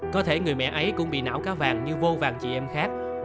có thể người mẹ ấy cũng bị não cá vàng như vô vàng chị em khác